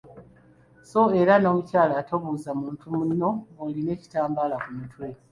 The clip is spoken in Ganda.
So era n’omukyala tobuuza muntu munno ng’olina ekitambaala ku mutwe.